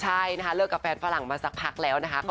ใช่นะคะเลิกกับแฟนฝรั่งมาสักพักแล้วนะคะ